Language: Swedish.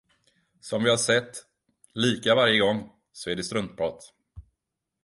Som vi har sett, lika varje gång, så är det struntprat.